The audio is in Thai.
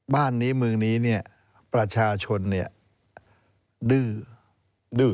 บ้านนี้เมืองนี้เนี่ยประชาชนเนี่ยดื้อ